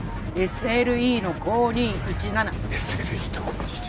ＳＬＥの５２１７ＳＬＥの５２１７